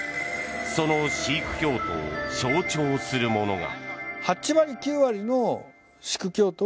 そのシーク教徒を象徴するものが。